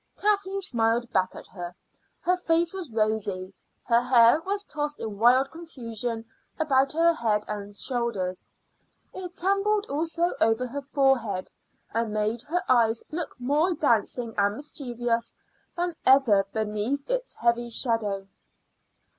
Kathleen smiled back at her. Her face was rosy. Her hair was tossed in wild confusion about her head and shoulders; it tumbled also over her forehead, and made her eyes look more dancing and mischievous than ever beneath its heavy shadow.